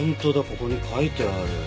ここに書いてある。